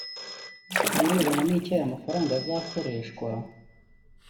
Ku birebana n’icyo aya mafaranga azakoreshwa